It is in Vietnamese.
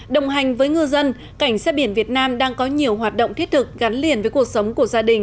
đồng hành với ngư dân cảnh sát biển việt nam đang có nhiều hoạt động thiết thực gắn liền với cuộc sống của gia đình